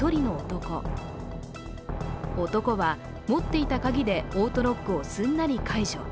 男は持っていた鍵でオートロックをすんなり解除。